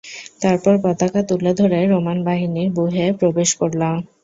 তারপর পতাকা তুলে ধরে রোমান বাহিনীর ব্যুহে প্রবেশ করলেন।